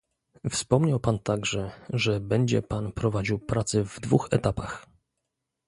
Wspomniał Pan także, że będzie Pan prowadził prace w dwóch etapach